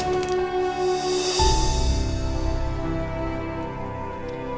tapi gue tahu ini bakal susah bagi kita untuk dapatkan keadilan